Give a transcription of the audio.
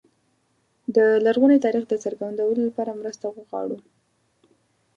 د لرغوني تاریخ د څرګندولو لپاره مرسته وغواړو.